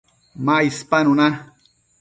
ma icpanu na